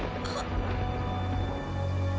あっ！